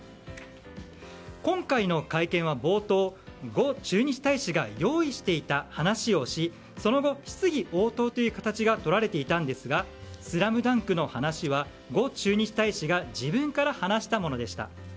今回の会見は冒頭、ゴ駐日大使が用意していた話をしその後、質疑応答という形がとられていたんですが「ＳＬＡＭＤＵＮＫ」の話はゴ駐日大使が自分から話したものでした。